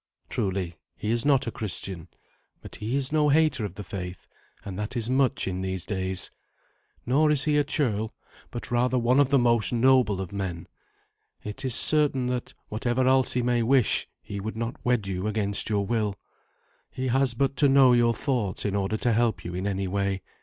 Truly he is not a Christian, but he is no hater of the faith, and that is much in these days. Nor is he a churl, but rather one of the most noble of men. It is certain that, whatever Alsi might wish, he would not wed you against your will. He has but to know your thoughts in order to help you in any way.